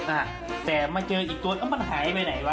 อ่ะแต่มาเจออีกตัวมันหายไปไหนวะ